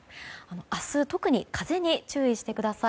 明日、特に風に注意してください。